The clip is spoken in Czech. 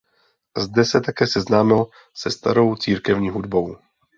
Zde se také seznámil se starou církevní hudbou.